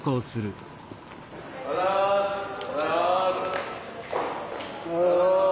おはようございます。